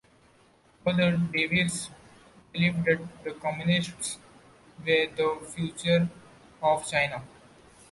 Further, Davies believed that the Communists were the future of China.